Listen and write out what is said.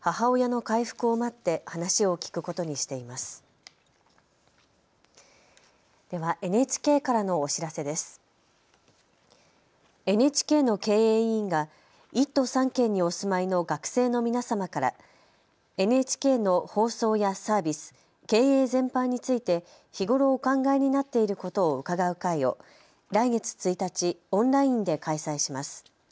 ＮＨＫの経営委員が１都３県にお住まいの学生の皆様からＮＨＫの放送やサービス、経営全般について日頃お考えになっていることを伺う会を来月１日オンラインで開催します。